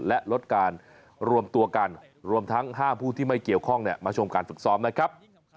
และลดการรวมตัวกันรวมทั้งห้ามผู้ที่ไม่เกี่ยวข้องมาชมการฝึกซ้อมนะครับ